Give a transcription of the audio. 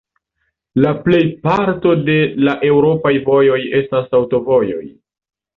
La plejparto de la Eŭropaj Vojoj estas aŭtovojoj.